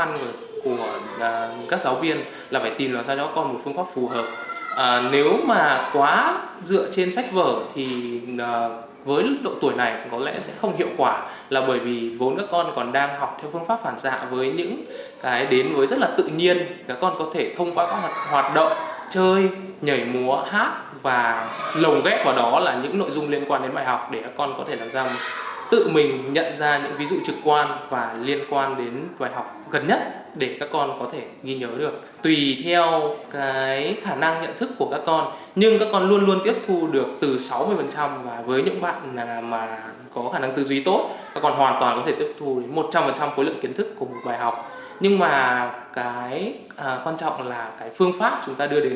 nhưng mà cái quan trọng là cái phương pháp chúng ta đưa đến cho các con như thế nào